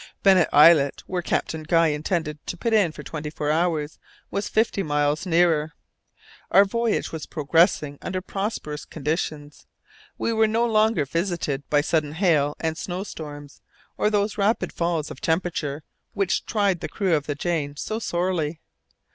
Bennet Islet, where Captain Guy intended to put in for twenty four hours, was fifty miles nearer. Our voyage was progressing under prosperous conditions; we were no longer visited by sudden hail and snow storms, or those rapid falls of temperature which tried the crew of the Jane so sorely.